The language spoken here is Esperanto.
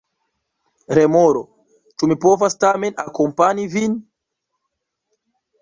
Remoro: "Ĉu mi povas tamen akompani vin?"